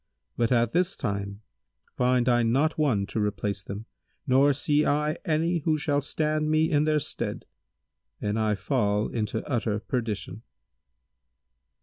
But at this time find I not one to replace them nor see I any who shall stand me in their stead; and I fall into utter perdition."